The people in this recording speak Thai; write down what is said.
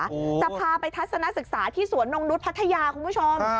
จะพาไปทัศนศึกษาที่สวนนงนุษย์พัทยาคุณผู้ชม